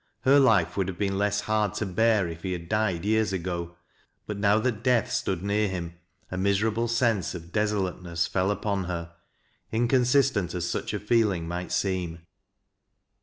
Her life would have been less hard to bear if he had died years ago, but now that death stood near him, a miserable sense of desolateness fell upon her, inconsistent as such a feeling might seem.